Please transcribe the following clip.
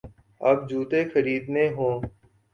اب جوتے خریدنے ہوں۔